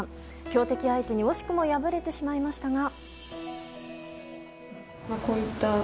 強敵相手に惜しくも敗れてしましたが。